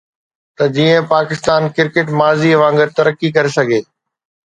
ته جيئن پاڪستان ڪرڪيٽ ماضي وانگر ترقي ڪري سگهي.